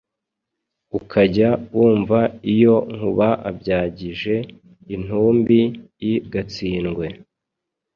Ukajya wumva iyo nkubaAbyagije intumbi i Gatsindwe